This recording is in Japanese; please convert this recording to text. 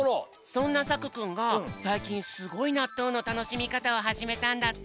そんなさくくんがさいきんすごいなっとうのたのしみかたをはじめたんだって。